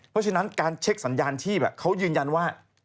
เพราะฉะนั้นการเช็คสัญญาณชีพเขายืนยันว่า